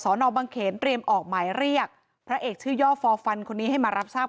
นอบังเขนเตรียมออกหมายเรียกพระเอกชื่อย่อฟอร์ฟันคนนี้ให้มารับทราบ